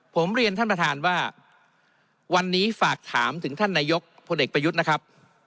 ผมเรียนท่านประธานว่าวันนี้ฝากถามถึงท่านนายกพลเอกประยุทธ์นะครับ